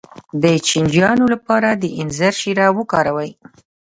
د چینجیانو لپاره د انځر شیره وکاروئ